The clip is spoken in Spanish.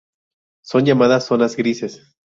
Son las llamadas zonas grises.